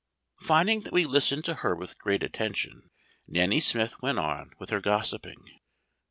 Finding that we listened to her with great attention, Nanny Smith went on with her gossiping.